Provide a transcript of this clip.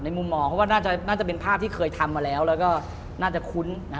มุมมองเพราะว่าน่าจะเป็นภาพที่เคยทำมาแล้วแล้วก็น่าจะคุ้น